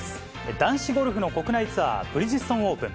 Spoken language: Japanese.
男子ゴルフの国内ツアー、ブリヂストンオープン。